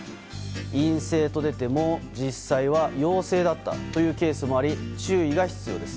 陰性と出ても実際は陽性だったというケースもあり、注意が必要です。